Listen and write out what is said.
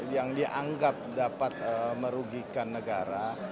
yang dianggap dapat merugikan negara